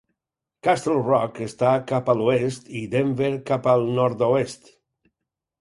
Castle Rock està cap a l'oest i Denver cap al nord-oest.